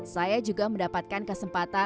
saya juga mendapatkan kesempatan